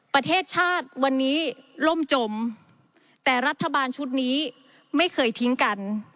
ประเทศชาติวันนี้ล่มจมแต่รัฐบาลชุดนี้ไม่เคยทิ้งกัน